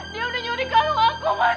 dia udah nyuri kalung aku mas